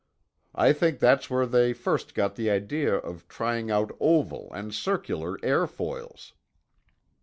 I think that's where they first got the idea of trying out oval and circular airfoils.